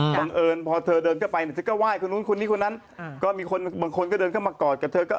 บังเอิญพอเธอเดินเข้าไปเนี่ยเธอก็ไหว้คนนู้นคนนี้คนนั้นก็มีคนบางคนก็เดินเข้ามากอดกับเธอก็